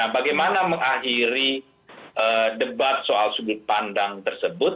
bagaimana mengakhiri debat soal sudut pandang tersebut